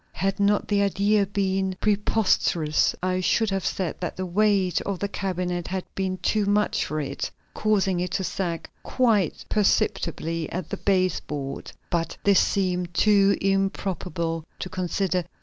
Had not the idea been preposterous, I should have said that the weight of the cabinet had been too much for it, causing it to sag quite perceptibly at the base board. But this seemed too improbable to consider.